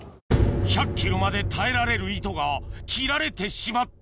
１００ｋｇまで耐えられる糸が切られてしまった・